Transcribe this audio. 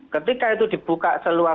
ketika itu dibuka seluar seluar ya